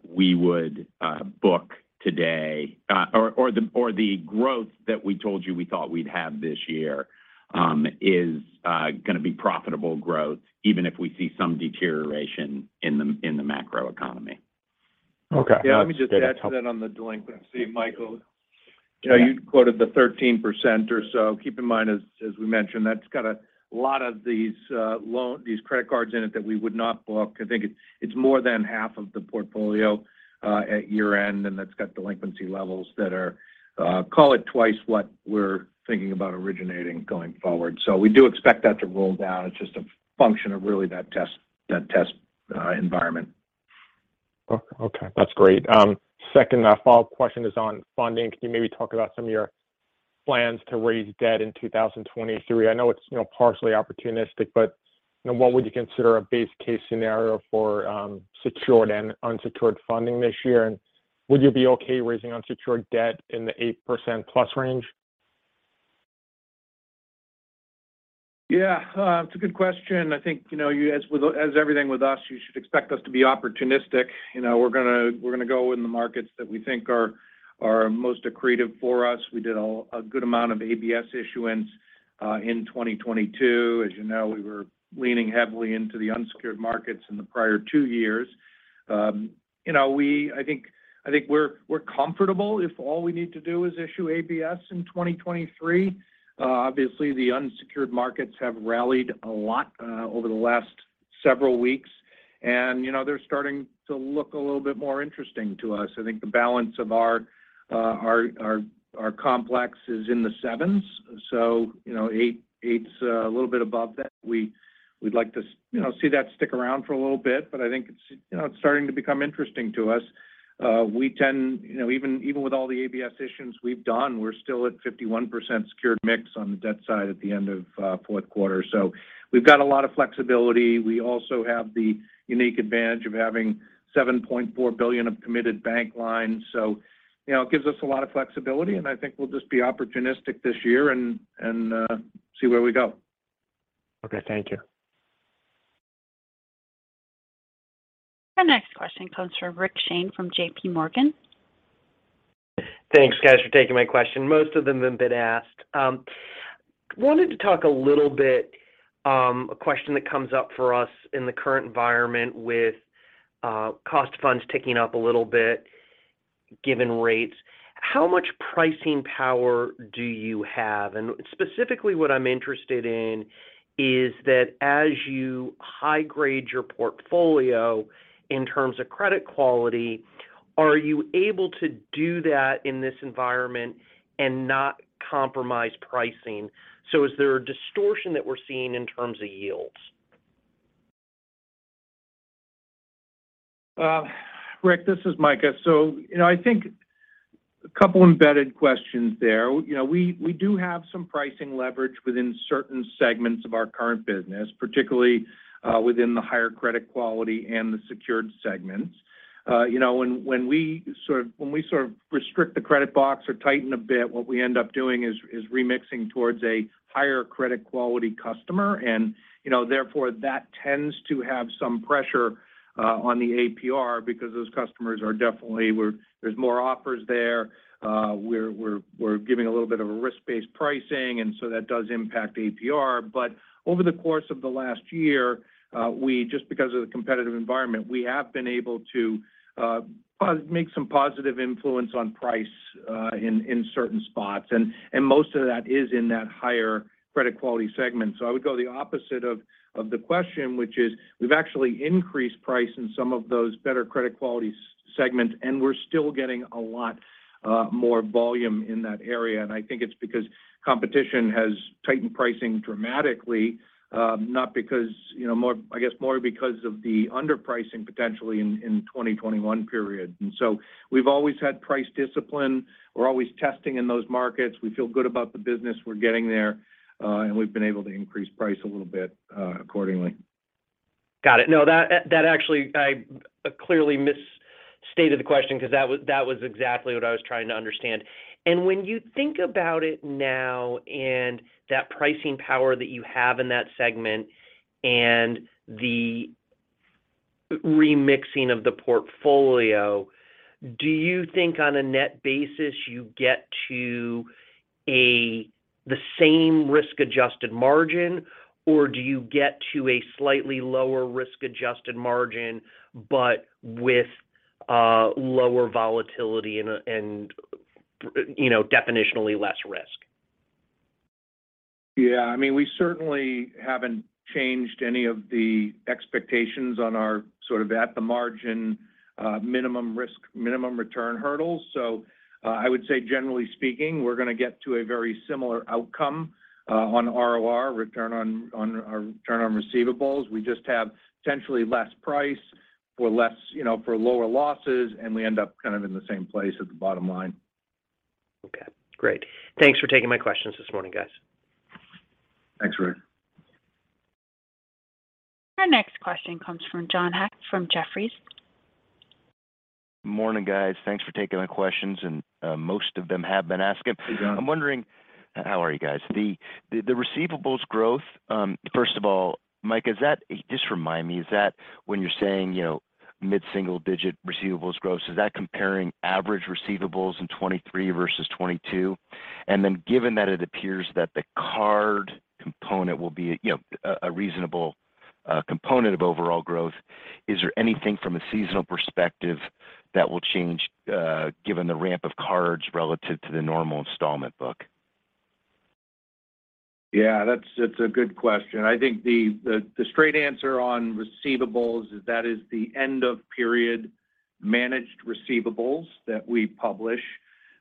we would book today, or the growth that we told you we thought we'd have this year, is gonna be profitable growth even if we see some deterioration in the macro economy. Okay. Yeah, let me just add to that on the delinquency, Michael. Yeah. You know, you quoted the 13% or so. Keep in mind as we mentioned, that's got a lot of these credit cards in it that we would not book. I think it's more than half of the portfolio at year-end. That's got delinquency levels that are call it twice what we're thinking about originating going forward. We do expect that to roll down. It's just a function of really that test environment. Okay. That's great. Second, a follow-up question is on funding. Can you maybe talk about some of your plans to raise debt in 2023? I know it's, you know, partially opportunistic, but, you know, what would you consider a base case scenario for secured and unsecured funding this year? Would you be okay raising unsecured debt in the 8%+ range? Yeah. It's a good question. I think, you know, as everything with us, you should expect us to be opportunistic. You know, we're gonna go in the markets that we think are most accretive for us. We did a good amount of ABS issuance in 2022. As you know, we were leaning heavily into the unsecured markets in the prior two years. You know, I think we're comfortable if all we need to do is issue ABS in 2023. Obviously the unsecured markets have rallied a lot over the last several weeks and, you know, they're starting to look a little bit more interesting to us. I think the balance of our complex is in the 7s, so you know, 8's a little bit above that. We'd like to you know, see that stick around for a little bit. I think it's, you know, it's starting to become interesting to us. We tend, you know, even with all the ABS issuance we've done, we're still at 51% secured mix on the debt side at the end of fourth quarter. We've got a lot of flexibility. We also have the unique advantage of having $7.4 billion of committed bank lines. You know, it gives us a lot of flexibility, and I think we'll just be opportunistic this year and see where we go. Okay. Thank you. Our next question comes from Rick Shane from JPMorgan. Thanks, guys, for taking my question. Most of them have been asked. Wanted to talk a little bit, a question that comes up for us in the current environment with cost funds ticking up a little bit given rates. How much pricing power do you have? Specifically what I'm interested in is that as you high-grade your portfolio in terms of credit quality, are you able to do that in this environment and not compromise pricing? Is there a distortion that we're seeing in terms of yields? Rick, this is Micah. You know, I think a couple embedded questions there. You know, we do have some pricing leverage within certain segments of our current business, particularly, within the higher credit quality and the secured segments. You know, when we sort of restrict the credit box or tighten a bit, what we end up doing is remixing towards a higher credit quality customer and, you know, therefore that tends to have some pressure on the APR because those customers are definitely where there's more offers there. We're giving a little bit of a risk-based pricing, that does impact APR. Over the course of the last year, we just because of the competitive environment, we have been able to make some positive influence on price in certain spots and most of that is in that higher credit quality segment. I would go the opposite of the question which is we've actually increased price in some of those better credit quality segments, and we're still getting a lot more volume in that area. I think it's because competition has tightened pricing dramatically, not because you know, more, I guess, more because of the underpricing potentially in 2021 period. We've always had price discipline. We're always testing in those markets. We feel good about the business. We're getting there, and we've been able to increase price a little bit accordingly. Got it. No, that actually I clearly misstated the question because that was exactly what I was trying to understand. When you think about it now and that pricing power that you have in that segment and the remixing of the portfolio, do you think on a net basis you get to the same risk-adjusted margin, or do you get to a slightly lower risk-adjusted margin, but with lower volatility and, you know, definitionally less risk? I mean, we certainly haven't changed any of the expectations on our sort of at the margin, minimum risk, minimum return hurdles. I would say generally speaking, we're gonna get to a very similar outcome on ROR, return on receivables. We just have potentially less price for less, you know, for lower losses, and we end up kind of in the same place at the bottom line. Okay. Great. Thanks for taking my questions this morning, guys. Thanks, Rick. Our next question comes from John Hecht from Jefferies. Morning, guys. Thanks for taking my questions and most of them have been asked. Yeah. I'm wondering- How are you guys? The receivables growth, first of all, Micah, just remind me, is that when you're saying, you know, mid-single-digit receivables growth, is that comparing average receivables in 2023 versus 2022? Given that it appears that the card component will be, you know, a reasonable, component of overall growth, is there anything from a seasonal perspective that will change, given the ramp of cards relative to the normal installment book? Yeah, that's a good question. I think the straight answer on receivables is that is the end-of-period managed receivables that we publish.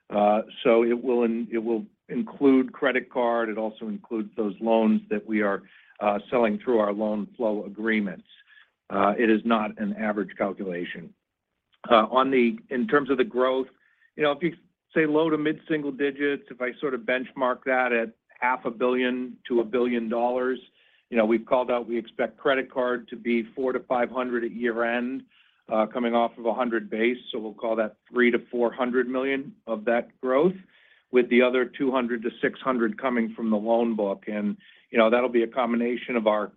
It will include credit card. It also includes those loans that we are selling through our loan flow agreements. It is not an average calculation. In terms of the growth, you know, if you say low to mid-single digits, if I sort of benchmark that at half a billion dollars to $1 billion, you know, we've called out we expect credit card to be $400 million-$500 million at year-end, coming off of a $100 million base. We'll call that $300 million-$400 million of that growth with the other $200 million-$600 million coming from the loan book. You know, that'll be a combination of our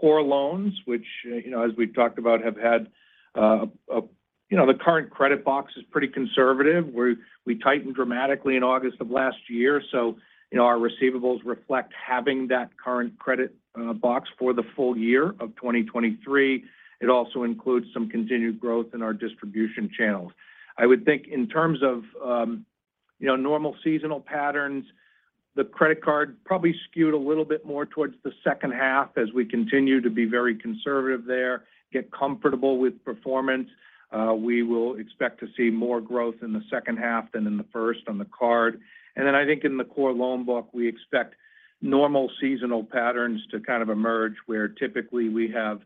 core loans, which, you know, as we've talked about, have had, a, you know, the current credit box is pretty conservative, where we tightened dramatically in August of last year. You know, our receivables reflect having that current credit, box for the full year of 2023. It also includes some continued growth in our distribution channels. I would think in terms of, you know, normal seasonal patterns, the credit card probably skewed a little bit more towards the second half as we continue to be very conservative there, get comfortable with performance. We will expect to see more growth in the second half than in the first on the card. I think in the core loan book, we expect normal seasonal patterns to kind of emerge, where typically we have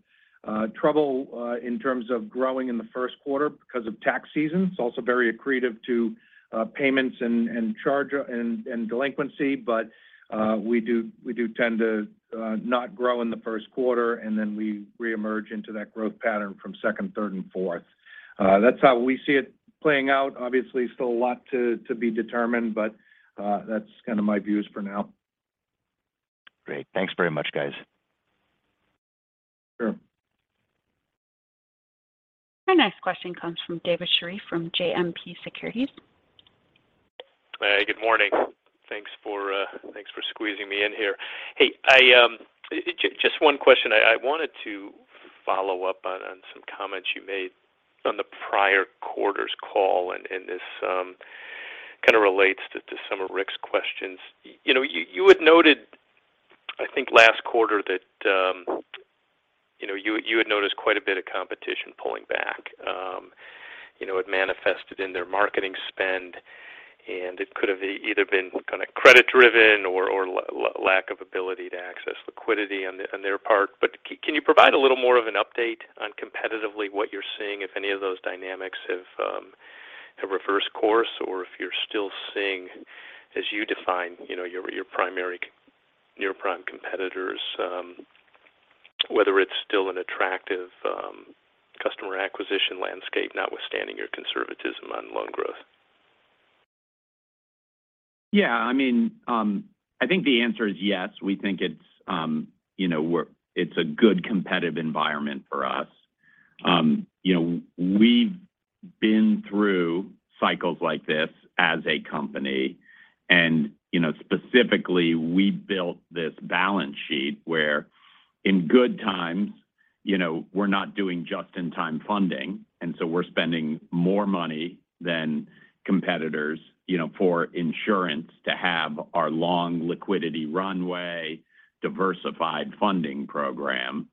trouble in terms of growing in the first quarter because of tax season. It's also very accretive to payments and delinquency. We do tend to not grow in the first quarter, and then we reemerge into that growth pattern from second, third, and fourth. That's how we see it playing out. Obviously, still a lot to be determined, but that's kind of my views for now. Great. Thanks very much, guys. Sure. Our next question comes from David Scharf from JMP Securities. Hey, good morning. Thanks for, thanks for squeezing me in here. Hey, I, just one question. I wanted to follow up on some comments you made on the prior quarter's call, and this kind of relates to some of Rick's questions. You know, you had noted, I think, last quarter that, you know, you had noticed quite a bit of competition pulling back. You know, it manifested in their marketing spend, and it could have either been kind of credit-driven or lack of ability to access liquidity on their part. But can you provide a little more of an update on competitively what you're seeing, if any of those dynamics have reversed course? If you're still seeing, as you define, you know, your primary near-prime competitors, whether it's still an attractive, customer acquisition landscape notwithstanding your conservatism on loan growth? Yeah. I mean, I think the answer is yes. We think it's, you know, it's a good competitive environment for us. You know, we've been through cycles like this as a company and, you know, specifically we built this balance sheet where in good times, you know, we're not doing just-in-time funding, and so we're spending more money than competitors, you know, for insurance to have our long liquidity runway diversified funding program.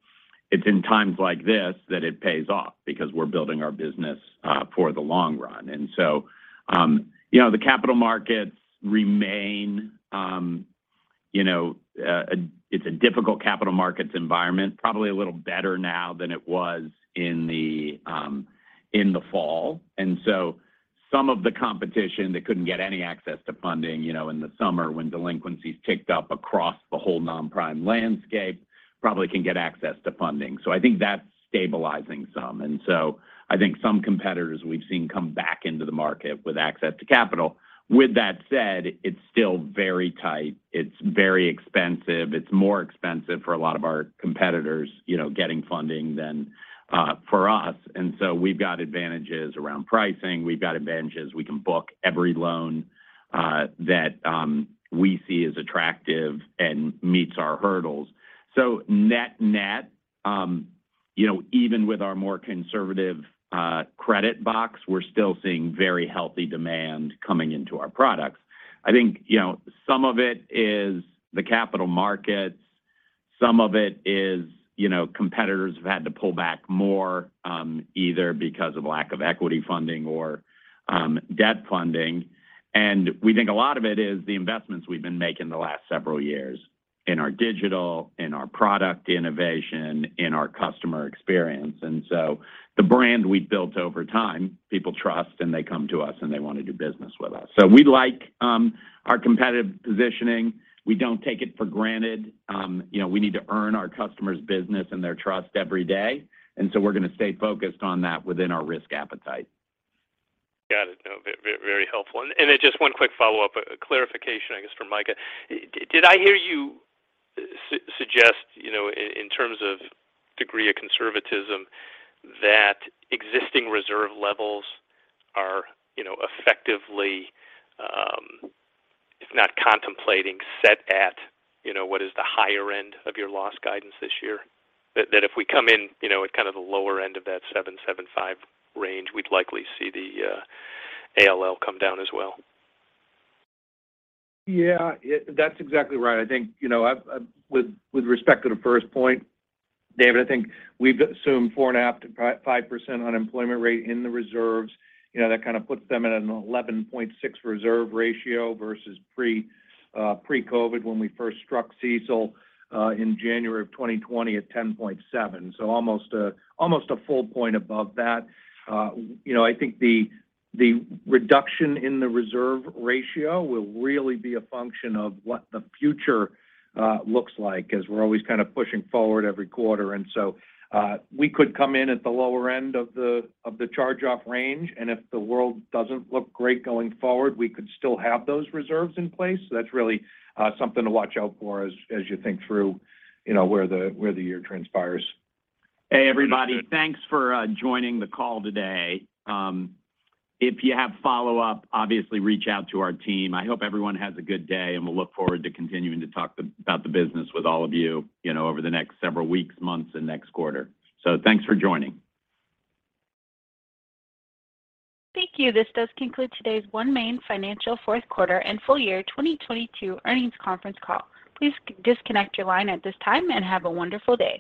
It's in times like this that it pays off because we're building our business for the long run. So, you know, the capital markets remain, you know. It's a difficult capital markets environment, probably a little better now than it was in the fall. Some of the competition that couldn't get any access to funding, you know, in the summer when delinquencies ticked up across the whole non-prime landscape probably can get access to funding. I think that's stabilizing some. I think some competitors we've seen come back into the market with access to capital. With that said, it's still very tight. It's very expensive. It's more expensive for a lot of our competitors, you know, getting funding than for us. We've got advantages around pricing. We've got advantages. We can book every loan that we see as attractive and meets our hurdles. Net-net, you know, even with our more conservative credit box, we're still seeing very healthy demand coming into our products. I think, you know, some of it is the capital markets. Some of it is, you know, competitors have had to pull back more, either because of lack of equity funding or debt funding. We think a lot of it is the investments we've been making the last several years in our digital, in our product innovation, in our customer experience. The brand we've built over time, people trust, and they come to us, and they want to do business with us. We like our competitive positioning. We don't take it for granted. You know, we need to earn our customers' business and their trust every day. We're going to stay focused on that within our risk appetite. Got it. No, very helpful. Then just one quick follow-up, clarification, I guess for Micah. Did I hear you suggest, you know, in terms of degree of conservatism that existing reserve levels are, you know, effectively, if not contemplating set at, you know, what is the higher end of your loss guidance this year? That if we come in, you know, at kind of the lower end of that 7%, 7.5%, we'd likely see the ALL come down as well. Yeah. Yeah, that's exactly right. I think, you know, I've with respect to the first point, David, I think we've assumed 4.5%- 5% unemployment rate in the reserves. You know, that kind of puts them at an 11.6 reserve ratio versus pre-COVID when we first struck CECL in January of 2020 at 10.7. Almost a full point above that. You know, I think the reduction in the reserve ratio will really be a function of what the future looks like as we're always kind of pushing forward every quarter. We could come in at the lower end of the charge-off range, and if the world doesn't look great going forward, we could still have those reserves in place. That's really something to watch out for as you think through, you know, where the, where the year transpires. Hey, everybody. Thanks for joining the call today. If you have follow-up, obviously reach out to our team. I hope everyone has a good day. We'll look forward to continuing to talk about the business with all of you know, over the next several weeks, months, and next quarter. Thanks for joining. Thank you. This does conclude today's OneMain Financial fourth quarter and full year 2022 earnings conference call. Please disconnect your line at this time and have a wonderful day.